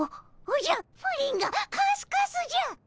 おおじゃプリンがカスカスじゃ。